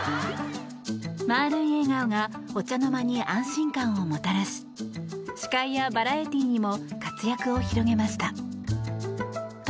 丸い笑顔がお茶の間に安心感をもたらし司会やバラエティーにも活躍を広げました。